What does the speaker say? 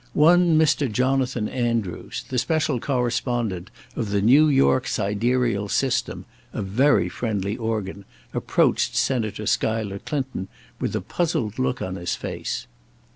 One day Mr. Jonathan Andrews, the special correspondent of the New York Sidereal System, a very friendly organ, approached Senator Schuyler Clinton with a puzzled look on his face.